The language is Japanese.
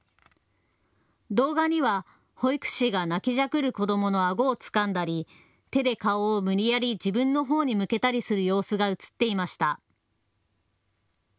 動画には保育士が泣きじゃくる子どものあごをつかんだり、手で顔を無理やり自分のほうに向けたりする様子が映っていました。